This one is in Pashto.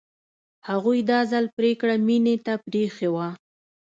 هغوی دا ځل پرېکړه مينې ته پرېښې وه